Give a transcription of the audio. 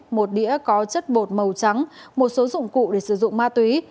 một đĩa có chất bột màu trắng một số dụng cụ để sử dụng ma túy